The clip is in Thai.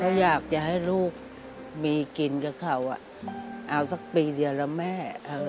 เขาอยากจะให้ลูกมีกินกับเขาเอาสักปีเดียวแล้วแม่